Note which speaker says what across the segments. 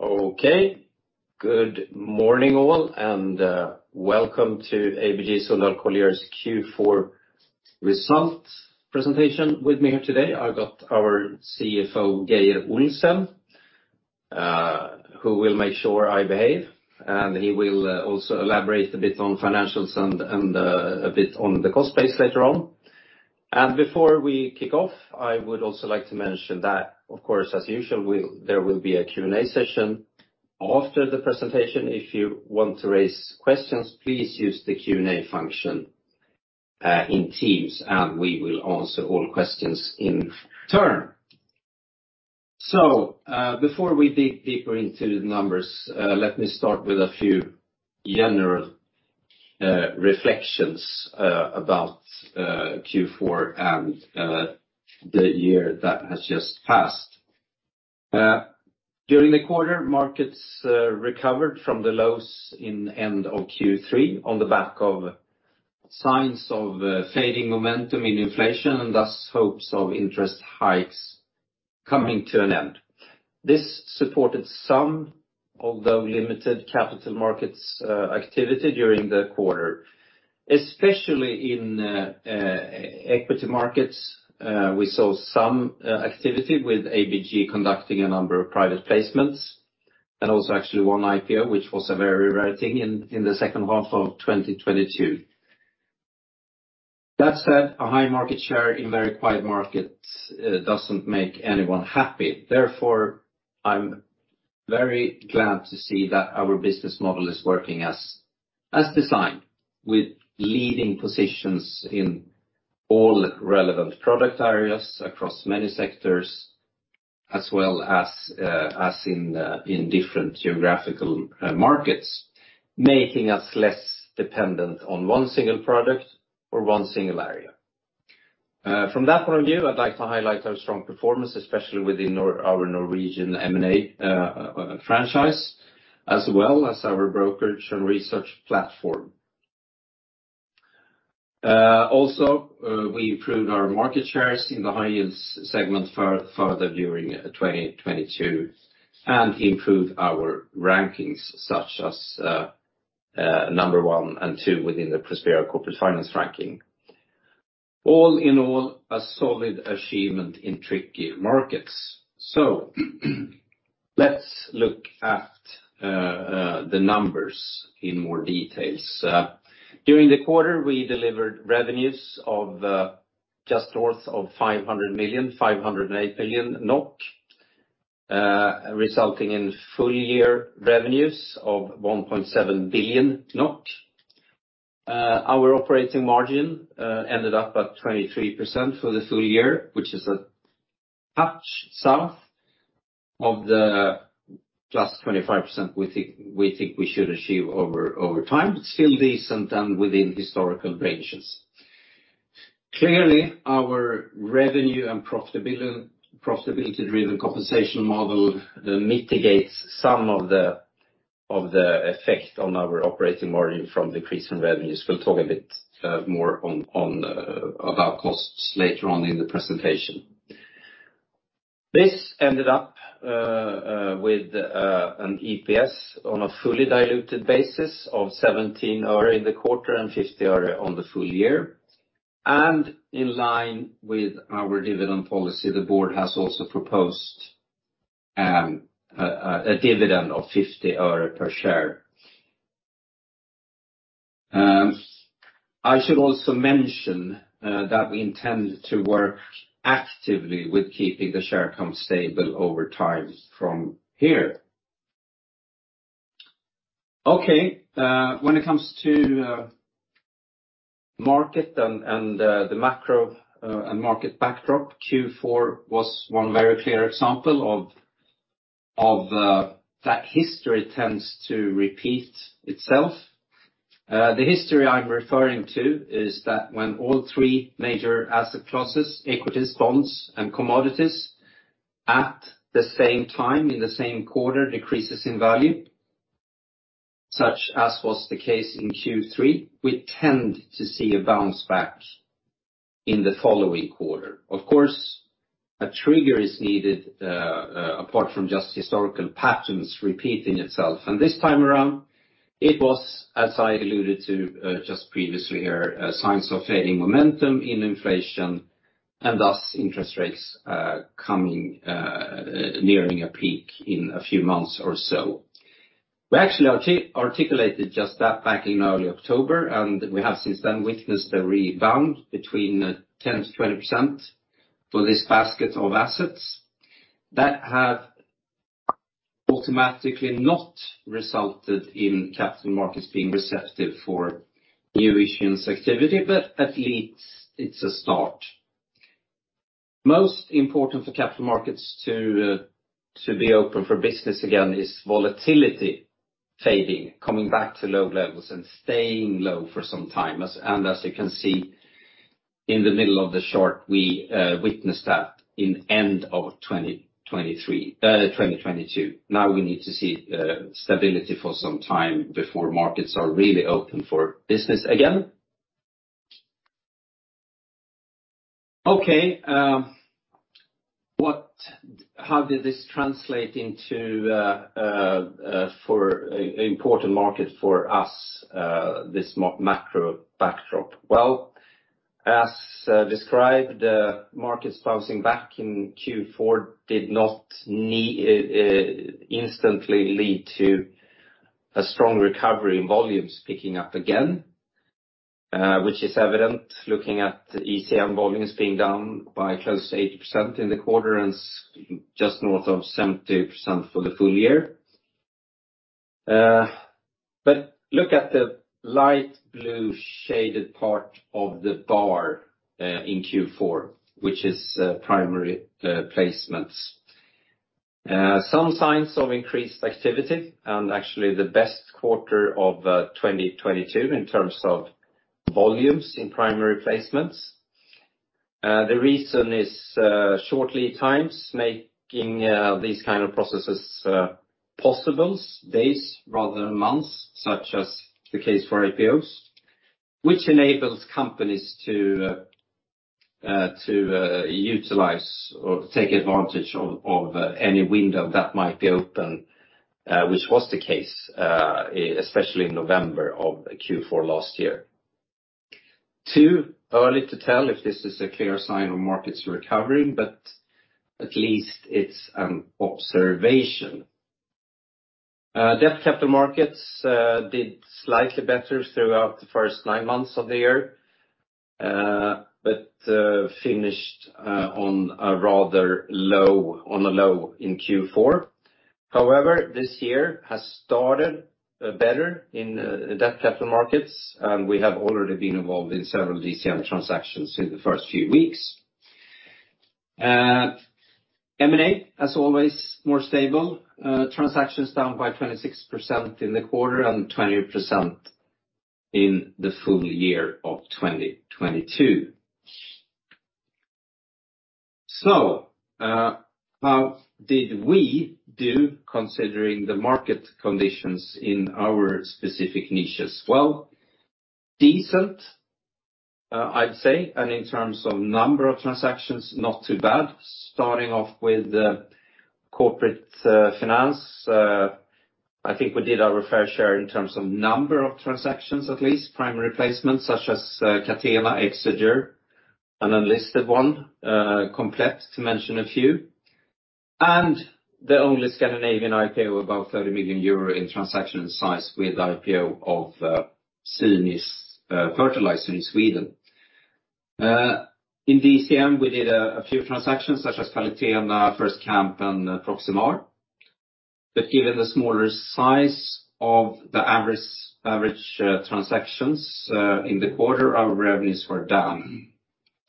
Speaker 1: Okay. Good morning, all, and welcome to ABG Sundal Collier's Q4 results presentation. With me here today I've got our CFO, Geir Olsen, who will make sure I behave, and he will also elaborate a bit on financials and a bit on the cost base later on. Before we kick off, I would also like to mention that, of course, as usual, there will be a Q&A session after the presentation. If you want to raise questions, please use the Q&A function in Teams, and we will answer all questions in turn. Before we dig deeper into the numbers, let me start with a few general reflections about Q4 and the year that has just passed. During the quarter, markets recovered from the lows in end of Q3 on the back of signs of fading momentum in inflation, and thus hopes of interest hikes coming to an end. This supported some, although limited, capital markets activity during the quarter. Especially in equity markets, we saw some activity with ABG conducting a number of private placements and also actually one IPO, which was a very rare thing in the second half of 2022. That said, a high market share in very quiet markets doesn't make anyone happy. Therefore, I'm very glad to see that our business model is working as designed, with leading positions in all relevant product areas across many sectors, as well as in different geographical markets, making us less dependent on one single product or one single area. From that point of view, I'd like to highlight our strong performance, especially within our Norwegian M&A franchise, as well as our brokerage and research platform. We improved our market shares in the high yield segment further during 2022, and improved our rankings, such as number 1 and 2 within the Prospera Corporate Finance ranking. All in all, a solid achievement in tricky markets. Let's look at the numbers in more details. During the quarter, we delivered revenues of 508 million NOK, resulting in full year revenues of 1.7 billion NOK. Our operating margin ended up at 23% for the full year, which is a touch south of the 25% we think we should achieve over time. Still decent and within historical ranges. Clearly, our revenue and profitability-driven compensation model mitigates some of the effect on our operating margin from decreasing revenues. We'll talk a bit more on about costs later on in the presentation. This ended up with an EPS on a fully diluted basis of 17 KRW in the quarter and NOK 50 on the full year. In line with our dividend policy, the board has also proposed a dividend of NOK 50 per share. I should also mention that we intend to work actively with keeping the share count stable over time from here. When it comes to market and the macro and market backdrop, Q4 was one very clear example of that history tends to repeat itself. The history I'm referring to is that when all three major asset classes, equities, bonds, and commodities, at the same time, in the same quarter, decreases in value, such as was the case in Q3, we tend to see a bounce back in the following quarter. Of course, a trigger is needed, apart from just historical patterns repeating itself. This time around, it was, as I alluded to, just previously here, signs of fading momentum in inflation and thus interest rates, coming, nearing a peak in a few months or so. We actually articulated just that back in early October, and we have since then witnessed a rebound between 10%-20% for this basket of assets. That have automatically not resulted in capital markets being receptive for new issuance activity, but at least it's a start. Most important for capital markets to be open for business again is volatility fading, coming back to low levels and staying low for some time. As you can see in the middle of the chart, we witnessed that in end of 2022. Now we need to see stability for some time before markets are really open for business again. How did this translate into for important market for us, this macro backdrop? As described, the markets bouncing back in Q4 did not instantly lead to a strong recovery in volumes picking up again, which is evident looking at the ECM volumes being down by close to 80% in the quarter and just north of 70% for the full year. Look at the light blue shaded part of the bar in Q4, which is primary placements. Some signs of increased activity and actually the best quarter of 2022 in terms of volumes in primary placements. The reason is short lead times making these kind of processes possible days rather than months, such as the case for IPOs, which enables companies to utilize or take advantage of any window that might be open, which was the case especially in November of Q4 last year. Too early to tell if this is a clear sign of markets recovering, but at least it's an observation. Debt capital markets did slightly better throughout the first 9 months of the year, but finished on a low in Q4. This year has started better in debt capital markets, and we have already been involved in several DCM transactions in the first few weeks. M&A, as always, more stable. Transactions down by 26% in the quarter and 20% in the full year of 2022. How did we do considering the market conditions in our specific niches? Well, decent, I'd say, and in terms of number of transactions, not too bad. Starting off with the corporate finance, I think we did our fair share in terms of number of transactions at least, primary placements such as Catena, Exeger, an unlisted one, Komplett, to mention a few. The only Scandinavian IPO above 30 million euro in transaction size with IPO of Cinis Fertilizer in Sweden. In DCM, we did a few transactions such as Kvalitena, First Camp, and Proximar. Given the smaller size of the transactions in the quarter, our revenues were down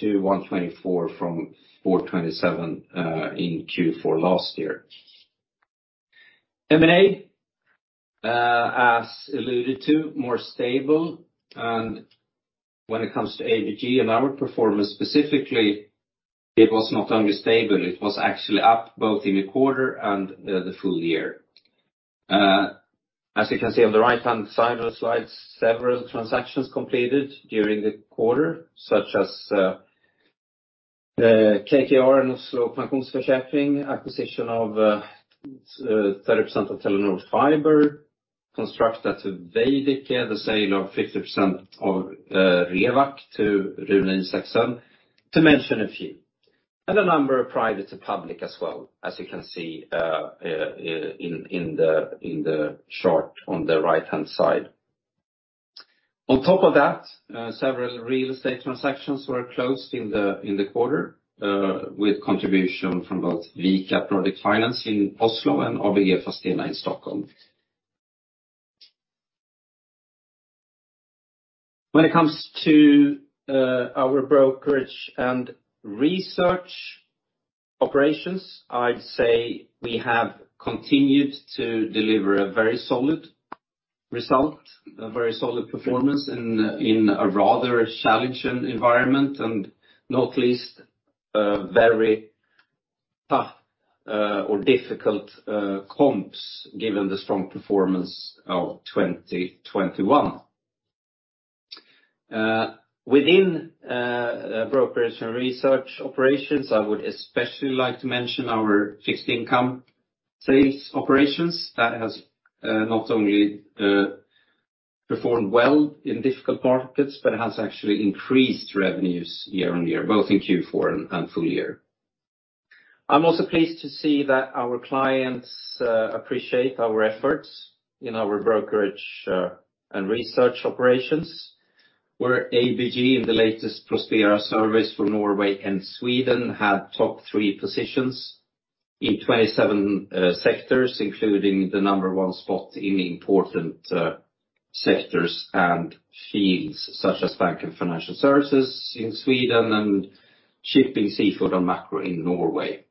Speaker 1: to 124 million from 427 million in Q4 last year. M&A, as alluded to, more stable. When it comes to ABG and our performance specifically, it was not only stable, it was actually up both in the quarter and the full year. As you can see on the right-hand side of the slide, several transactions completed during the quarter, such as KKR and Oslo Pensjonsforsikring acquisition of 30% of Telenor Fiber, Constructa to Veidekke, the sale of 50% of Revac to Rune Isachsen, to mention a few. A number of private to public as well, as you can see in the chart on the right-hand side. On top of that, several real estate transactions were closed in the quarter, with contribution from both ABG Capital Product Finance in Oslo and ABG Fastena in Stockholm. When it comes to our brokerage and research operations, I'd say we have continued to deliver a very solid result, a very solid performance in a rather challenging environment, and not least, a very tough or difficult comps, given the strong performance of 2021. Within brokerage and research operations, I would especially like to mention our fixed income sales operations. That has not only performed well in difficult markets, but has actually increased revenues year-on-year, both in Q4 and full year. I'm also pleased to see that our clients appreciate our efforts in our brokerage and research operations, where ABG in the latest Prospera survey for Norway and Sweden had top three positions in 27 sectors, including the number one spot in important sectors and fields such as bank and financial services in Sweden and shipping seafood and macro in Norway.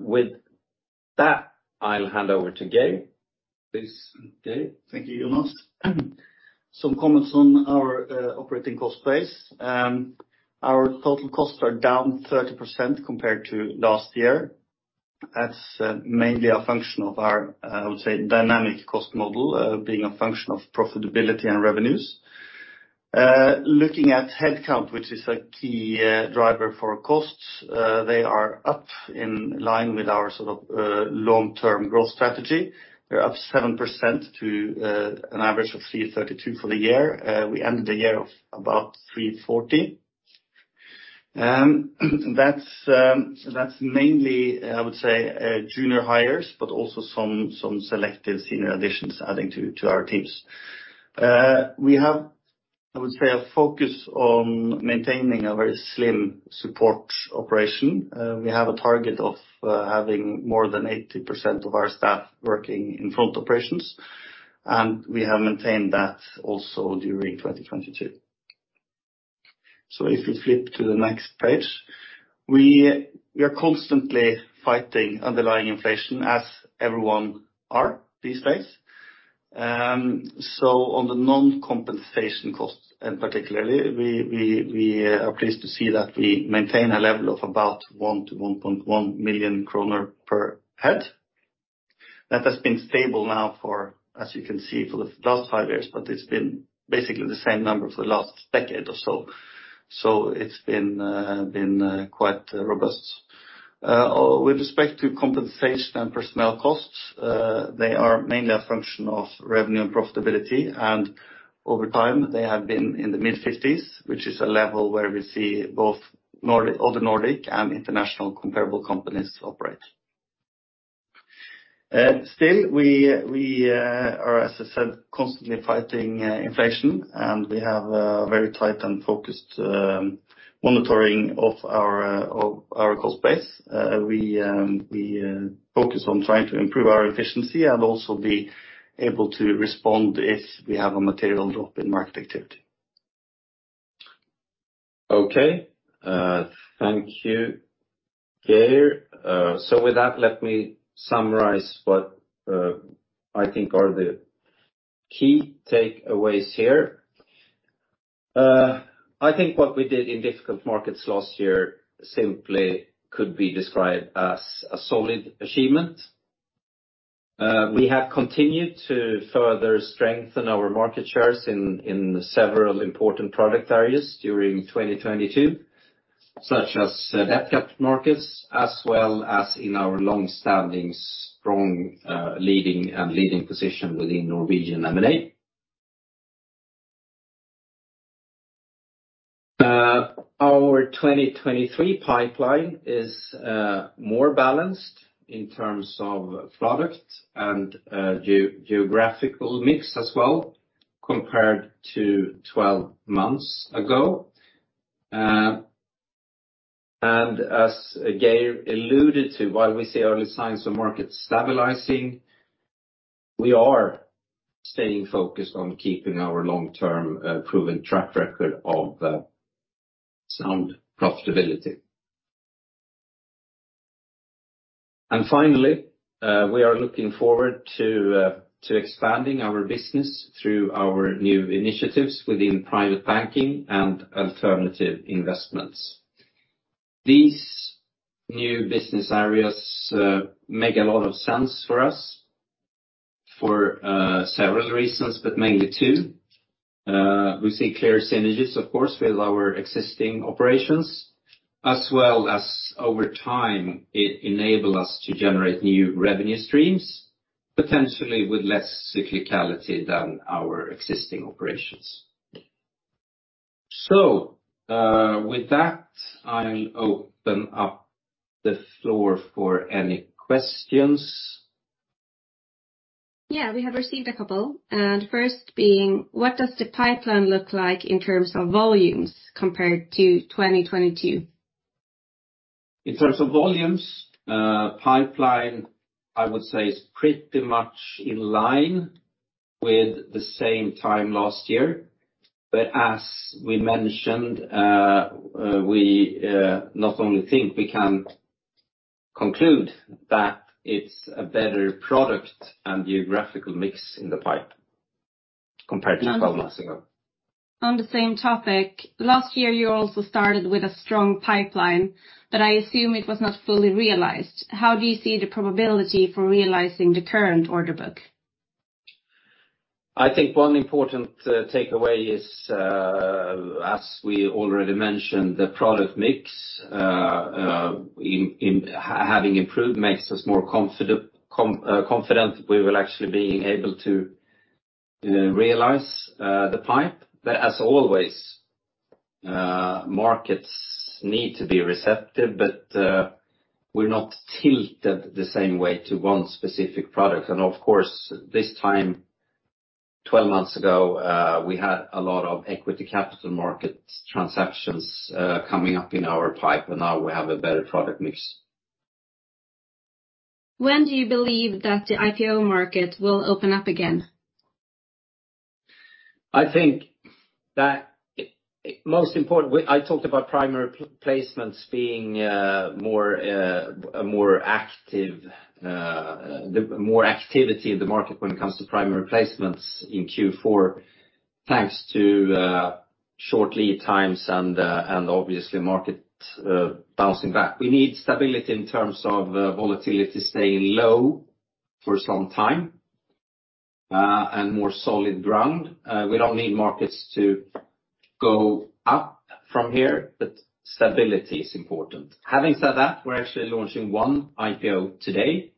Speaker 1: With that, I'll hand over to Geir. Please, Geir.
Speaker 2: Thank you, Jonas. Some comments on our operating cost base. Our total costs are down 30% compared to last year. That's mainly a function of our, I would say, dynamic cost model, being a function of profitability and revenues. Looking at headcount, which is a key driver for costs, they are up in line with our sort of long-term growth strategy. We're up 7% to an average of 332 for the year. We ended the year of about 340. That's mainly, I would say, junior hires, but also some selective senior additions adding to our teams. We have, I would say, a focus on maintaining a very slim support operation. We have a target of having more than 80% of our staff working in front operations, and we have maintained that also during 2022. If you flip to the next page. We are constantly fighting underlying inflation, as everyone are these days. On the non-compensation costs, and particularly, we are pleased to see that we maintain a level of about 1 million-1.1 million kroner per head. That has been stable now for, as you can see, for the last 5 years, but it's been basically the same number for the last 10 years or so. It's been quite robust. With respect to compensation and personnel costs, they are mainly a function of revenue and profitability, and over time, they have been in the mid-50s, which is a level where we see all the Nordic and international comparable companies operate. Still, we are, as I said, constantly fighting inflation, and we have a very tight and focused monitoring of our cost base. We focus on trying to improve our efficiency and also be able to respond if we have a material drop in market activity.
Speaker 1: Okay. Thank you, Geir. With that, let me summarize what I think are the key takeaways here. I think what we did in difficult markets last year simply could be described as a solid achievement. We have continued to further strengthen our market shares in several important product areas during 2022, such as Debt Capital Markets, as well as in our long-standing strong, leading position within Norwegian M&A. Our 2023 pipeline is more balanced in terms of product and geographical mix as well compared to 12 months ago. As Geir alluded to, while we see early signs of markets stabilizing, we are staying focused on keeping our long-term, proven track record of sound profitability. Finally, we are looking forward to expanding our business through our new initiatives within private banking and alternative investments. These new business areas make a lot of sense for us for several reasons, but mainly 2. We see clear synergies, of course, with our existing operations, as well as over time enable us to generate new revenue streams, potentially with less cyclicality than our existing operations. With that, I'll open up the floor for any questions.
Speaker 3: Yeah, we have received a couple, and first being: What does the pipeline look like in terms of volumes compared to 2022?
Speaker 1: In terms of volumes, pipeline, I would say, is pretty much in line with the same time last year. As we mentioned, we, not only think, we can conclude that it's a better product and geographical mix in the pipe compared to 12 months ago.
Speaker 3: On the same topic, last year you also started with a strong pipeline. I assume it was not fully realized. How do you see the probability for realizing the current order book?
Speaker 1: I think one important takeaway is as we already mentioned, the product mix having improved makes us more confident we will actually be able to realize the pipe. As always, markets need to be receptive, but we're not tilted the same way to one specific product. Of course, this time 12 months ago, we had a lot of equity capital market transactions coming up in our pipe, and now we have a better product mix.
Speaker 3: When do you believe that the IPO market will open up again?
Speaker 1: I think that most important. I talked about primary placements being more activity in the market when it comes to primary placements in Q4, thanks to short lead times and obviously market bouncing back. We need stability in terms of volatility staying low for some time and more solid ground. We don't need markets to go up from here, but stability is important. Having said that, we're actually launching one IPO today.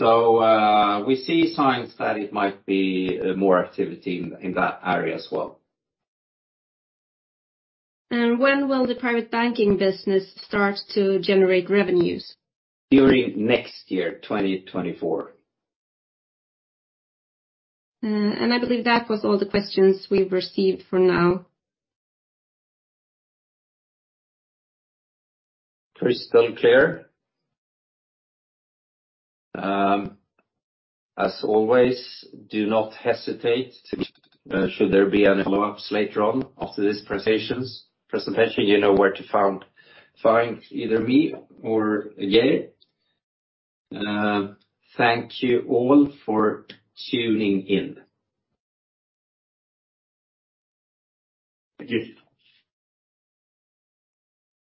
Speaker 1: We see signs that it might be more activity in that area as well.
Speaker 3: When will the private banking business start to generate revenues?
Speaker 1: During next year, 2024.
Speaker 3: I believe that was all the questions we've received for now.
Speaker 1: Crystal clear. As always, do not hesitate, should there be any follow-ups later on after this presentation. You know where to find either me or Geir. Thank you all for tuning in.
Speaker 2: Thank you.